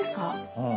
うん。